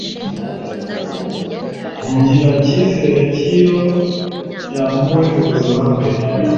agira cyizere ki iyo yambuwe ubuzima bwe